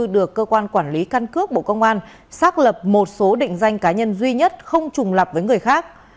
được cơ quan quản lý căn cước bộ công an xác lập một số định danh cá nhân duy nhất không trùng lập với người khác